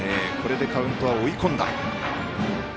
カウントは追い込んだ。